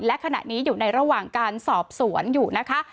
และขณะนี้อยู่ในระหว่างการสอบสวนอยู่นะคะ